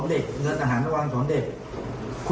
เงินของเด็กเงินอาหารมาวานของเด็ก